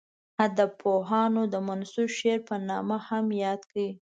ادبپوهانو د منثور شعر په نامه هم یاد کړی.